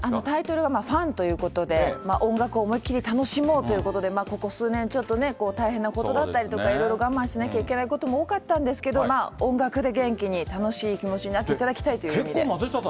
タイトルがファンということで、音楽を思いっ切り楽しもうということで、ここ数年、ちょっと大変なことだったりとか、いろいろ我慢しなきゃいけないことも多かったんですけど、音楽で元気に楽しい気持ちになっていただきたいという気持ちで。